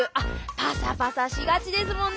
パサパサしがちですもんね。